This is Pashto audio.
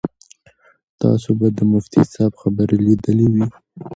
تاسو به د مفتي صاحب خبرې لیدلې وي.